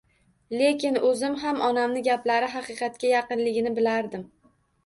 Lekin oʻzim xam onamni gaplari xaqiqatga yaqinligini bilardim